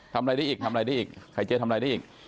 ทำอะไรได้อีกไข่เจียวทำอะไรได้อีก